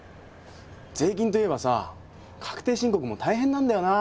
税金といえばさ確定申告も大変なんだよな。